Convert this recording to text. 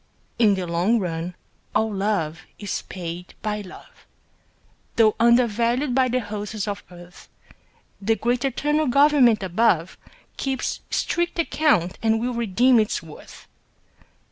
In the long run all love is paid by love, Though undervalued by the hosts of earth; The great eternal Government above Keeps strict account and will redeem its worth.